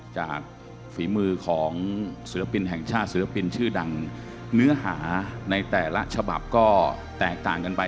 ฝีมือของศิลปินแห่งชาติศิลปินชื่อดังเนื้อหาในแต่ละฉบับก็แตกต่างกันไป